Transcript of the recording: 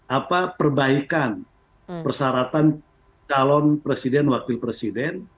apa perbaikan persyaratan calon presiden wakil presiden